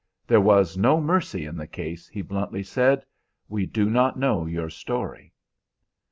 "There was no mercy in the case," he bluntly said; "we do not know your story."